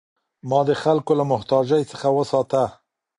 ما د خلکو له محتاجۍ څخه وساته.